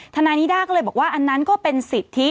ทนายนิด้าก็เลยบอกว่าอันนั้นก็เป็นสิทธิ